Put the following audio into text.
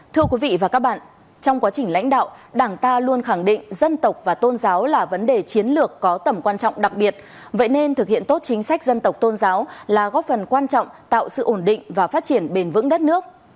thưa quý vị và các bạn trong quá trình lãnh đạo đảng ta luôn khẳng định dân tộc và tôn giáo là vấn đề chiến lược có tầm quan trọng đặc biệt vậy nên thực hiện tốt chính sách dân tộc tôn giáo là góp phần quan trọng tạo sự ổn định và phát triển bền vững đất nước